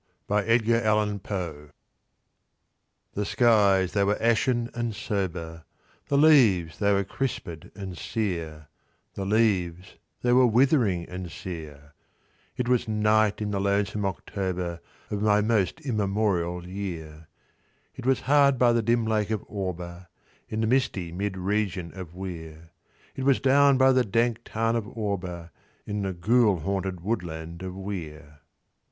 1849. ULALUME The skies they were ashen and sober; The leaves they were crispèd and sere— The leaves they were withering and sere; It was night in the lonesome October Of my most immemorial year: It was hard by the dim lake of Auber, In the misty mid region of Weir:— It was down by the dank tarn of Auber, In the ghoul haunted woodland of Weir.